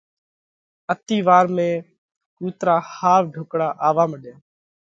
اتِي وار ۾ ڪُوترا ۿاوَ ڍُوڪڙا آوَوا مڏيا۔